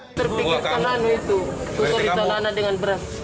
itu itu berita lana dengan beras